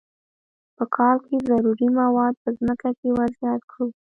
په کال کې ضروري مواد په ځمکه کې ور زیات کړو.